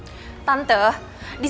ya udah terus gitu